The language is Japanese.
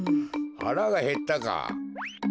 はらがへったか。